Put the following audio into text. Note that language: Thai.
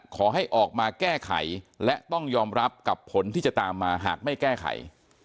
ขอให้ออกมาแก้ไขและต้องยอมรับกับผลที่จะตามมาหากไม่แก้ไข